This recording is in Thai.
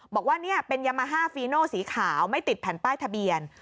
บอกว่านี่เป็นยามาฮาฟีโนสีขาวไม่ติดแผ่นป้ายทะเบียน